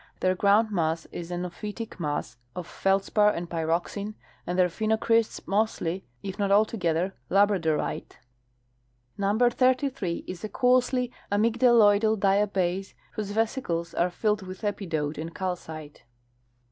Their groundmass is an ophitic mass of feldspar and pyroxene, and their, phenocrysts mostly, if not altogether, labradorite. Number 33 is a coarsely amygclaloidal diabase whose vesicles are filled with epidote and calcite.